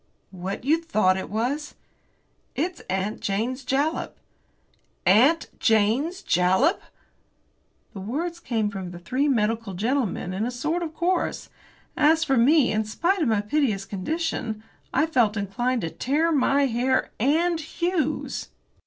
"What you thought it was?" "It's 'Aunt Jane's Jalap.'" "'Aunt Jane's Jalap!'" The words came from the three medical gentlemen in a sort of chorus. As for me, in spite of my piteous condition, I felt inclined to tear my hair and Hughes's!